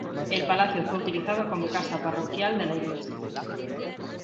El palacio fue utilizado como casa parroquial de la iglesia.